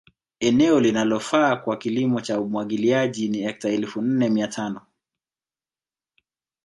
Eneo linalofaa kwa kilimo cha Umwagiliaji ni hekta elfu nne mia tano